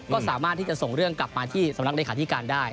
ก็สามารถที่จะส่งเรื่องกลับมาที่สำนักเลขาธิการได้